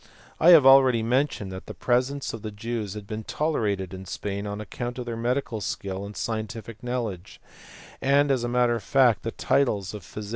I have already mentioned that the presence of the Jews had Uvn tolerated in Spain on account of their medical skill and scientific knowledge, and as a matter of fact the titles of physician and algebraist!